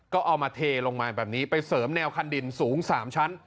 ก็เอามาเทลงมาแบบนี้ไปเสริมแนวคันดินสูง๓ชั้น